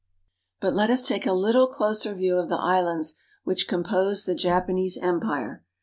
But let us take a little closer view of the islands which compose the Japanese Empire.